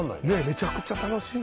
めちゃくちゃ楽しみ。